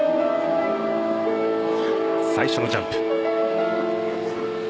最初のジャンプ。